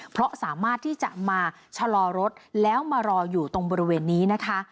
เพราะสามารถที่จะมาชะลอรถแล้วมารออยู่ตรงบริเวณนี้นะคะ